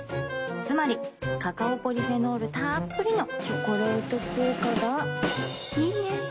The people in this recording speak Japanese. つまりカカオポリフェノールたっぷりの「チョコレート効果」がいいね。